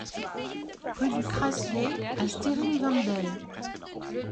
Rue du Crassier à Stiring-Wendel